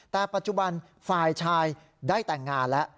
แต่ปัจจุบันฝ่ายชายได้แต่งงานแล้ว